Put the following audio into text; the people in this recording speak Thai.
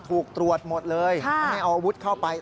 ถูกตรวจหมดเลยไม่ให้เอาอาวุธเข้าไป